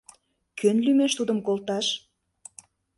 Кӧн лӱмеш тудым колташ?